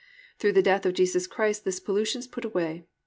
Through the death of Jesus Christ this pollution is put away.